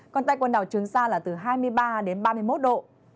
còn tại quần đảo trường sa là từ hai mươi ba đến ba mươi một độ